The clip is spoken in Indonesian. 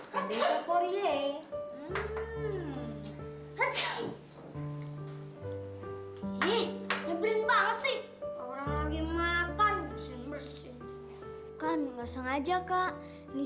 hai hai hai hai hai ih lebih banget sih lagi makan bersih bersih kan nggak sengaja kak ini